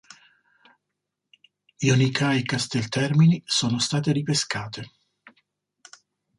Jonica e Casteltermini sono state ripescate.